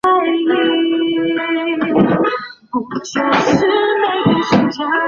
寨里镇位于山东省济南市莱芜区。